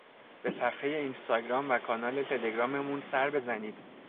به صفحۀ اینستاگرام و کانال تلگراممون سر بزنید